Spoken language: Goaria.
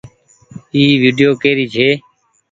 اي ويڊيو ڪيري ڇي۔